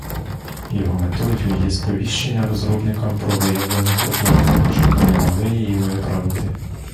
Його метою є сповіщення розробникам про виявлену проблему, щоб вони могли її виправити.